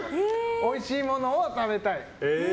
おいしいものを食べたい。